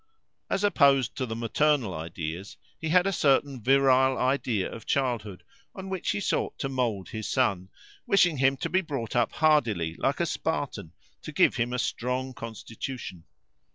As opposed to the maternal ideas, he had a certain virile idea of childhood on which he sought to mould his son, wishing him to be brought up hardily, like a Spartan, to give him a strong constitution.